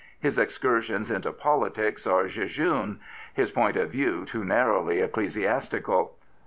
His excursions into politics are jejune, his point of view too narrowly ecclesiastical.